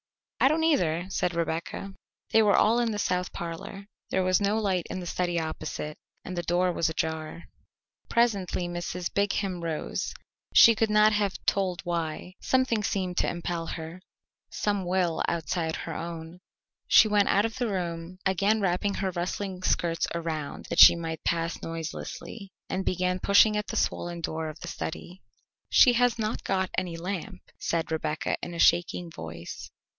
"I don't either," said Rebecca. They were all in the south parlour. There was no light in the study opposite, and the door was ajar. Presently Mrs. Brigham rose she could not have told why; something seemed to impel her, some will outside her own. She went out of the room, again wrapping her rustling skirts around that she might pass noiselessly, and began pushing at the swollen door of the study. "She has not got any lamp," said Rebecca in a shaking voice.